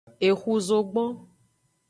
Exu zogbon.